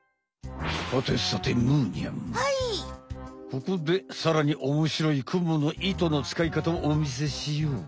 ここでさらにおもしろいクモの糸の使い方をおみせしよう。